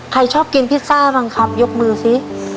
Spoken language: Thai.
ใครชอบกินพิซซ่าบังเค็บหยุดมือซิ